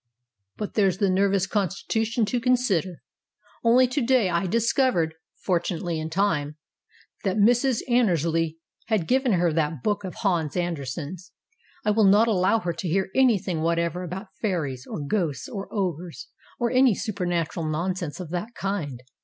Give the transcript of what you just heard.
But there's the nervous constitution to consider. Only to day I discovered (fortunately in time) that Mrs. Annersley had given her that book of Hans Ander sen's. I will not allow her to hear anything whatever about fairies, or ghosts, or ogres, or any supernatural nonsense of that kind.